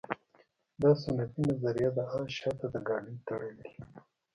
دا سنتي نظریه د اس شاته د ګاډۍ تړل دي.